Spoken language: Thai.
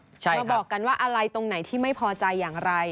มาบอกกันว่าอะไรตรงไหนที่ไม่พอใจอย่างไร